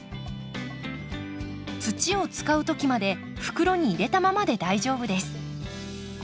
土を使う時まで袋に入れたままで大丈夫です。